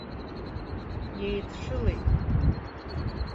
Иеидшылеит.